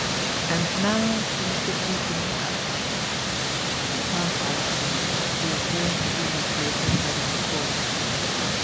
And now for Mr. Deacon Quelch." He passed out of the room, reappearing a few minutes later ready for calling.